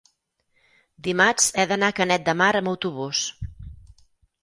dimarts he d'anar a Canet de Mar amb autobús.